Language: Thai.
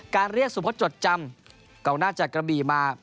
เรียกสุพธจดจำกองหน้าจากกระบีมา